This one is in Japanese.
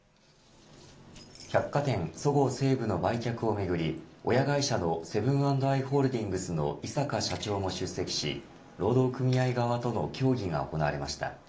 百貨店そごう・西武の売却をめぐり親会社のセブン＆アイ・ホールディングスの井阪社長も出席し労働組合側との協議が行われました。